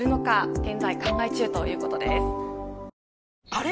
あれ？